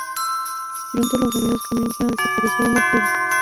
Pronto los amigos comienzan a desaparecer uno por uno.